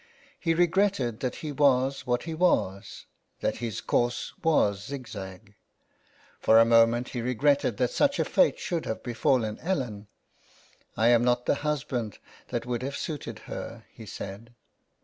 He regretted that he was what he was, that his course was zig zag. For a moment he regretted that such a fate should have befallen Ellen. " I am not the husband that would have suited her," he said.